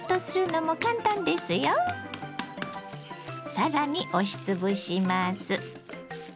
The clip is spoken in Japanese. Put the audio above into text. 更に押しつぶします。